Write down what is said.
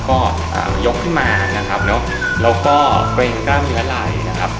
ก็อ่ายกขึ้นมานะครับเนี้ยแล้วก็เกรงกล้ำเยอะไหลนะครับ